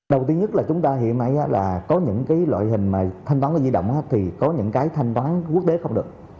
đầu tiên nhất là chúng ta hiện nay có những loại hình thanh toán di động thì có những cái thanh toán quốc tế không được